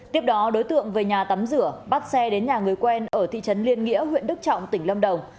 tiếp đó đối tượng về nhà tắm rửa bắt xe đến nhà người quen ở thị trấn liên nghĩa huyện đức trọng tỉnh lâm đồng